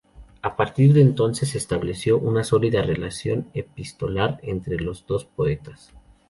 A partir de entonces se estableció una sólida relación epistolar entre los dos poetas.